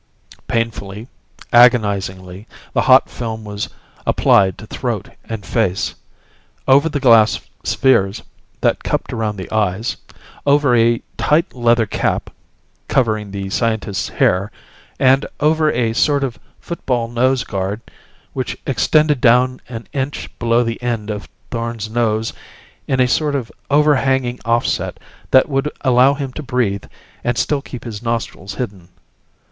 Painfully, agonizingly, the hot film was applied to throat and face; over the glass spheres that cupped around the eyes; over a tight leather cap covering the scientist's hair; and over a sort of football nose guard which extended down an inch below the end of Thorn's nose in a sort of overhanging offset that would allow him to breathe and still keep his nostrils hidden.